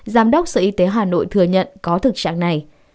giám đốc sở y tế hà nội thừa nhận có thực trạng này